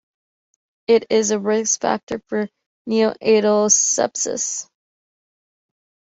It is a risk factor for neonatal sepsis.